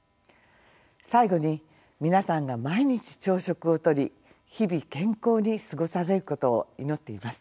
最後に皆さんが毎日朝食をとり日々健康に過ごされることを祈っています。